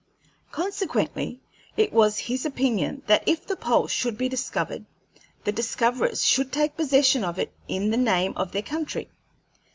Consequently it was his opinion that if the pole should be discovered, the discoverers should take possession of it in the name of their country.